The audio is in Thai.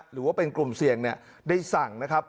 หรือว่าเป็นกลุ่มเสี่ยงได้สั่งนะครับ